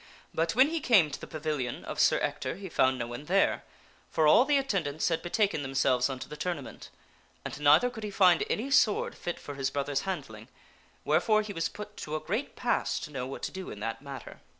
But when he came to the pavilion of Sir Ector he found no one there, for all the attendants had betaken themselves unto the tournament. And neither could he find any sword fit for his brother's handling, wherefore he was put to a great pass to know what to do in that matter.